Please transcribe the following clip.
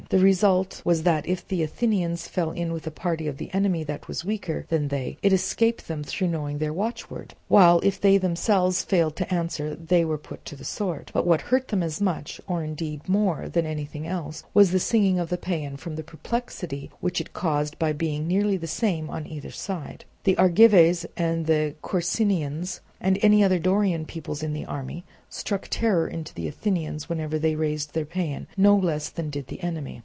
The result was that if the Athenians fell in with a party of the enemy that was weaker than they, it escaped them through knowing their watchword; while if they themselves failed to answer they were put to the sword. But what hurt them as much, or indeed more than anything else, was the singing of the paean, from the perplexity which it caused by being nearly the same on either side; the Argives and Corcyraeans and any other Dorian peoples in the army, struck terror into the Athenians whenever they raised their paean, no less than did the enemy.